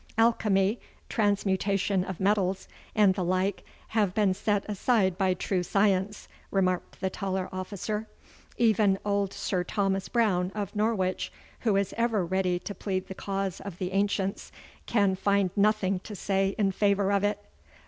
'Alchemy, transmutation of metals, and the like have been set aside by true science,' remarked the taller officer. 'Even old Sir Thomas Browne of Norwich, who is ever ready to plead the cause of the ancients, can find nothing to say in favour of it.